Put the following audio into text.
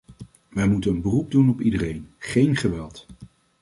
Wij moeten een beroep doen op iedereen: geen geweld!